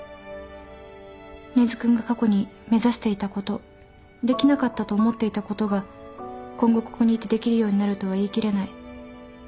根津君が過去に目指していたことできなかったと思っていたことが今後ここにいてできるようになるとは言い切れない。